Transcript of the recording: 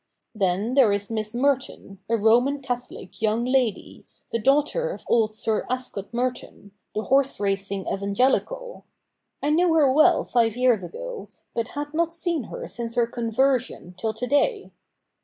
Then there is Miss Merton, a Roman Catholic young lady, the daughter of old Sir Ascot Merton, the horse racing evangelical. I knew her well five years ago, but had not seen her since her conversion, till to day.